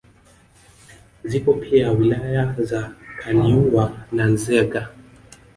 Zipo pia wilaya za Kaliua na Nzega